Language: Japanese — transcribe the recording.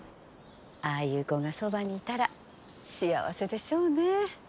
ああいう子がそばにいたら幸せでしょうね。